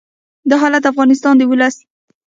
دا حالت د افغانستان د ولس